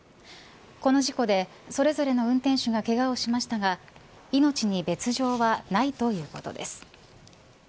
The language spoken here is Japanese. この事故でそれぞれの運転手がけがをしましたが命に別条はないということです。